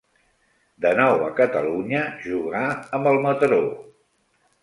De nou a Catalunya, jugà amb el Mataró.